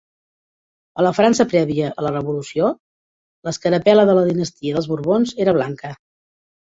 A la França prèvia a la revolució, l'escarapel·la de la dinastia dels Borbons era blanca.